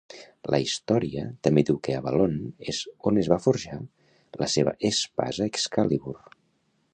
La "Historia" també diu que Avalon és on es va forjar la seva espasa Excalibur.